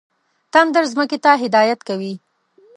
تندر ځمکې ته هدایت کوي.